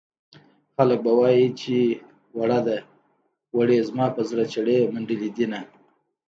خلک به وايي چې وړه ده وړې زما په زړه چړې منډلې دينه